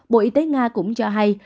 bộ y tế nga cũng cho hay